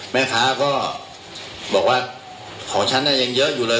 แม่ค้าก็บอกว่าของฉันยังเยอะอยู่เลย